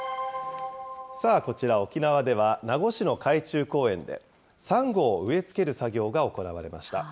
こちら、沖縄では名護市の海中公園で、サンゴを植え付ける作業が行われました。